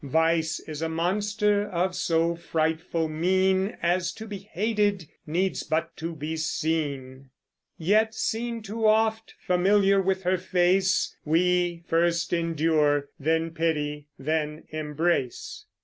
Vice is a monster of so frightful mien, As, to be hated, needs but to be seen; Yet seen too oft, familiar with her face, We first endure, then pity, then embrace.